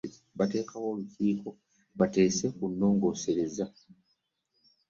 Batekawo olukiiko bateese ku nnongosereza .